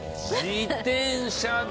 自転車で。